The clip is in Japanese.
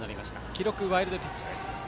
記録はワイルドピッチです。